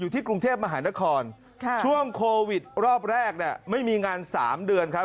ที่กรุงเทพมหานครช่วงโควิดรอบแรกเนี่ยไม่มีงาน๓เดือนครับ